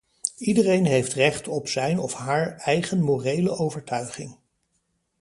Iedereen heeft recht op zijn of haar eigen morele overtuiging.